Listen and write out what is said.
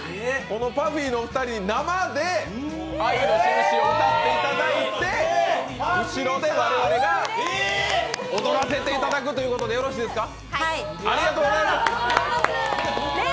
ＰＵＦＦＹのお二人に生で「愛のしるし」を歌っていただいて後ろで我々が踊らせていただくということでよろしいですか？